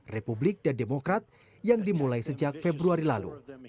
republik dan demokrat yang dimulai sejak februari lalu